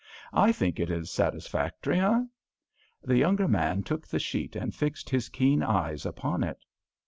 I think it is satisfactory, eh?" The younger man took the sheet and fixed his keen eyes upon it.